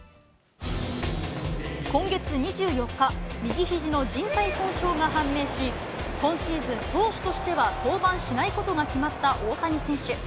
今月２４日、右ひじのじん帯損傷が判明し、今シーズン、投手としては登板しないことが決まった大谷選手。